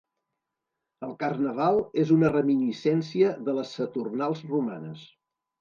El carnaval és una reminiscència de les Saturnals romanes.